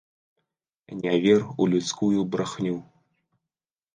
Не вер у людскую брахню!